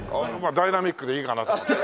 ダイナミックでいいかなと思って。